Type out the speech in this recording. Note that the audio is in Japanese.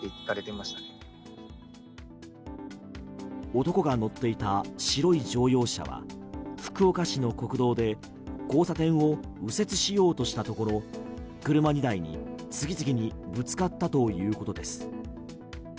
男が乗っていた白い乗用車は福岡市の国道で交差点を右折しようとしたところ車２台に次々にぶつかったということです。